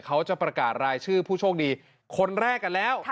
เขาจะประกาศรายชื่อผู้โชคดีคนแรกกันแล้ว